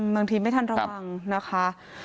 บางทีไม่ทันระวังนะคะ